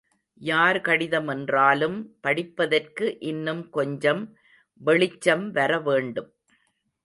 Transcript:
யார் கடிதமென்றாலும் படிப்பதற்கு இன்னும் கொஞ்சம் வெளிச்சம் வர வேண்டும்.